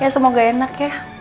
ya semoga enak